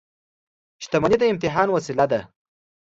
• شتمني د امتحان وسیله ده.